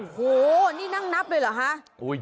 โอ้โหนี่นั่งนับเลยเหรอคะ